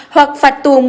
hoặc phạt tù